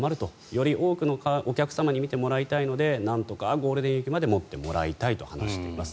より多くのお客様に見てもらいたいのでなんとかゴールデンウィークまで持ってもらいたいと話しています。